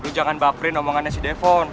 lu jangan baperin omongannya si devon